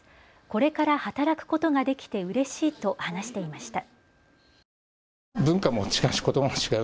これから働くことができてうれしいと話していました。